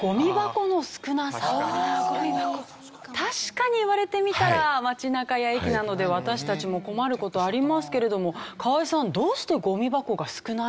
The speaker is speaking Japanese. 確かに言われてみたら街中や駅などで私たちも困る事ありますけれども河合さんえっ？